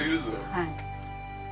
はい。